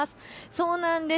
そうなんです。